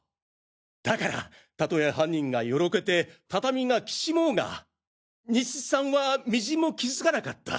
だからたとえ犯人がよろけて畳がきしもうが西津さんは微塵も気づかなかった。